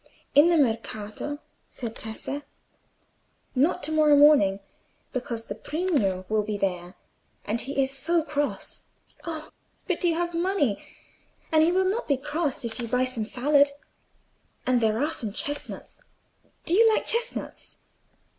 "In the Mercato?" said Tessa. "Not to morrow morning, because the patrigno will be there, and he is so cross. Oh! but you have money, and he will not be cross if you buy some salad. And there are some chestnuts. Do you like chestnuts?"